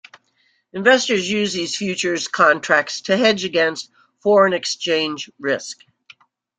Investors use these futures contracts to hedge against foreign exchange risk.